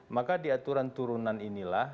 maka di aturan turunan inilah